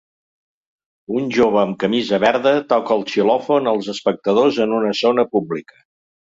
Un jove amb camisa verda toca el xilòfon als espectadors en una zona pública